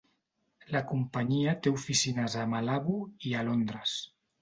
La companyia té oficines a Malabo i a Londres.